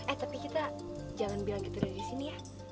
eh tapi kita jangan bilang kita dari sini ya